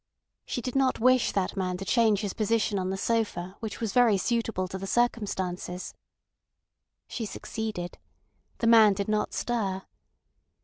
She did not wish that man to change his position on the sofa which was very suitable to the circumstances. She succeeded. The man did not stir.